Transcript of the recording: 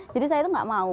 jadi saya itu gak mau